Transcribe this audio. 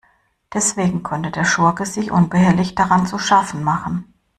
Deswegen konnte der Schurke sich unbehelligt daran zu schaffen machen.